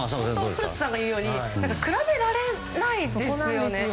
古田さんが言うように比べられないですよね。